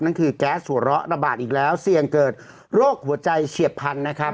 นั่นคือแก๊สหัวเราะระบาดอีกแล้วเสี่ยงเกิดโรคหัวใจเฉียบพันธุ์นะครับ